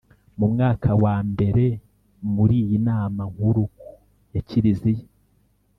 mu mwaka wa mberemuri yinama nkuru ya kiliziya